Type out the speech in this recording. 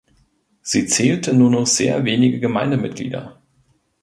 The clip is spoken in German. Sie zählte nur noch sehr wenige Gemeindeglieder.